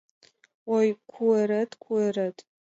Ой, куэрет, куэрет!